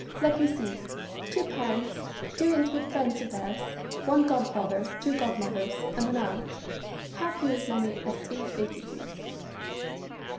Let me see. Two parents, two intimate friends of theirs, one godfather, two godmothers, and an aunt. Have you as many as eight vacancies?